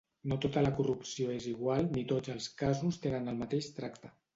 No tota la corrupció és igual ni tots els casos tenen el mateix tracte.